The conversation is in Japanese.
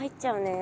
え？